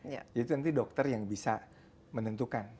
jadi itu nanti dokter yang bisa menentukan